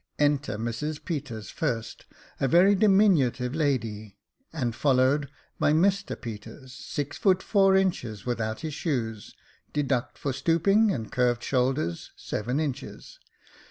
Enter Mrs Peters first, a very diminutive lady, and followed by Mr Peters, six feet four inches without his shoes, deduct for stooping and curved shoulders seven inches.